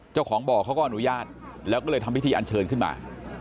เจ้าของบ่อเขาก็อนุญาตแล้วก็เลยทำพิธีอันเชิญขึ้นมา